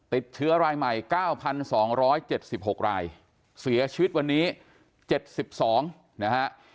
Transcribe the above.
ติดเชื้อรายใหม่เก้าพันสองร้อยเจ็ดสิบหกรายเสียชีวิตวันนี้เจ็ดสิบสองนะฮะ